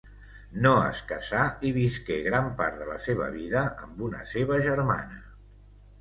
No es casà i visqué gran part de la seva vida amb una seva germana.